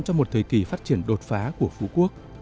cho một thời kỳ phát triển đột phá của phú quốc